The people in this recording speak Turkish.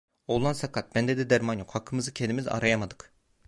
Oğlan sakat, bende de derman yok, hakkımızı kendimiz arayamadık.